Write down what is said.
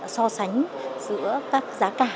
so sánh giữa các giá cả